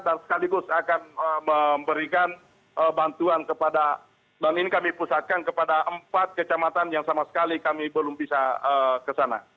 dan sekaligus akan memberikan bantuan kepada dan ini kami pusatkan kepada empat kejamatan yang sama sekali kami belum bisa ke sana